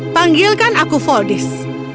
panggilkan aku voldis